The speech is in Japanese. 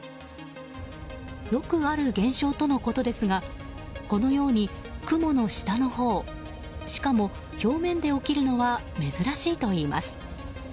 よくある現象とのことですがこのように雲の下のほうしかも表面で起きるのは珍しいといいます。